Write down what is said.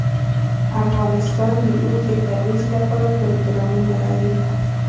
افغانستان د اوښ د ترویج لپاره پروګرامونه لري.